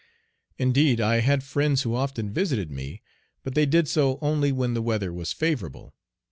* Indeed, I had friends who often visited me, but they did so only when the weather was favorable.